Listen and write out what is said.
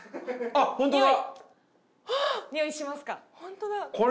あっ本当だ！